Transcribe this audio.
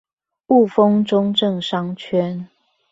霧峰中正商圈